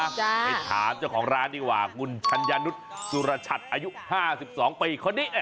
ไปถามเจ้าของร้านดีกว่าคุณชัญญานุษย์สุรชัดอายุ๕๒ปีคนนี้